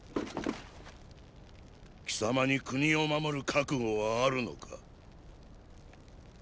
貴様に国を守る覚悟はあるのか。